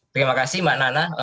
terima kasih mbak nana